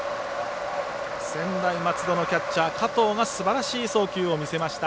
専大松戸のキャッチャー、加藤がすばらしい送球を見せました。